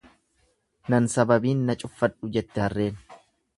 Nan sababiin na cuffadhu jette harreen.